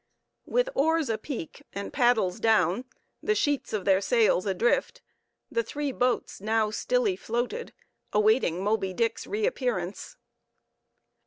With oars apeak, and paddles down, the sheets of their sails adrift, the three boats now stilly floated, awaiting Moby Dick's reappearance.